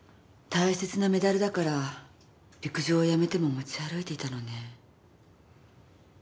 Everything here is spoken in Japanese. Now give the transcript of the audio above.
大切なメダルだから陸上をやめても持ち歩いていたのね。